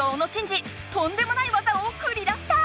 とんでもないわざをくり出した！